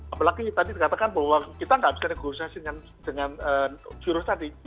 apalagi tadi dikatakan bahwa kita nggak bisa negosiasi dengan virus tadi